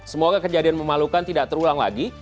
semoga kejadian memalukan tidak terulang lagi